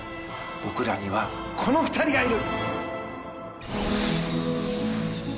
僕らにはこの２人がいる！